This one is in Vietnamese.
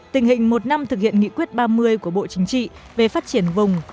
tình hình một năm thực hiện nghị quyết ba mươi của bộ chính trị về phát triển vùng